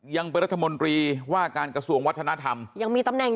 ยังเป็นรัฐมนตรีว่าการกระทรวงวัฒนธรรม